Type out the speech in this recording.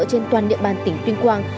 trên toàn địa bàn tỉnh tuyên quang